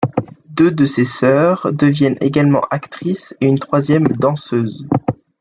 Deux de ses sœurs deviennent également actrices, et une troisième danseuse.